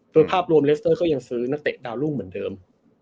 โดยภาพรวมเลสเตอร์ก็ยังซื้อนักเตะดาวรุ่งเหมือนเดิม